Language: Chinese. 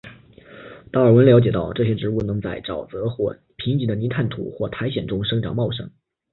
达尔文了解到这些植物能在沼泽或贫瘠的泥炭土或苔藓中生长茂盛。